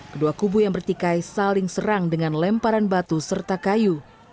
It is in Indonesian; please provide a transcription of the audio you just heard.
kedua kubu yang bertikai saling serang dengan lemparan batu serta kayu